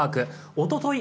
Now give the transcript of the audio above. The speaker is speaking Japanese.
おととい